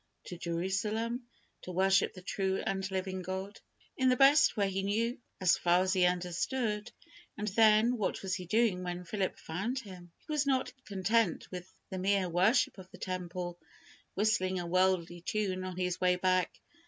To Jerusalem, to worship the true and living God, in the best way he knew, and as far as he understood; and then, what was he doing when Philip found him? He was not content with the mere worship of the temple, whistling a worldly tune on his way back.